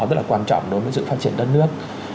rất là quan trọng đối với sự phát triển đất nước